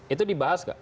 itu dibahas kak